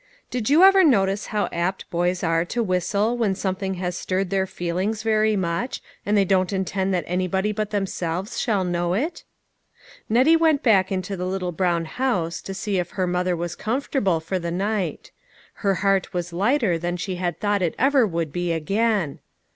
Did you ever notice how apt boys are to whistle when something has stirred their feelings very much, and they don't intend that anybody but themselves shall know it ? Nettie went back into the little brown house to see if her mother was comfortable for the night. Her heart was lighter than she had thought it ever would be again.